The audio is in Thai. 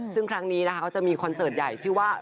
ซึ่งครั้งนี้นะคะเขาจะมีคอนเสิร์ตใหญ่ชื่อว่า